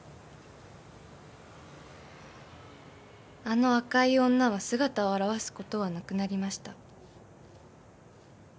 ［あの赤い女は姿を現すことはなくなりました］